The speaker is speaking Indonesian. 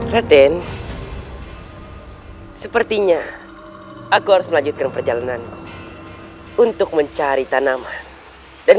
raden sepertinya aku harus melanjutkan perjalananku untuk mencari tanaman dan